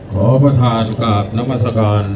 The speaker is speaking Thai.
ขอประธานกราบนักภาษาการ